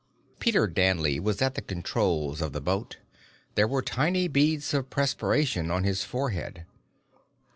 Peter Danley was at the controls of the boat. There were tiny beads of perspiration on his forehead.